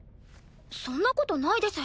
そんなことないです。